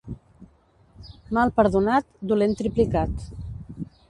Mal perdonat, dolent triplicat.